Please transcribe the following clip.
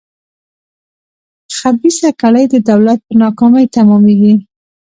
خبیثه کړۍ د دولت په ناکامۍ تمامېږي.